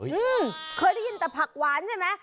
อืมเคยได้ยินแต่ผักหวานใช่ไหม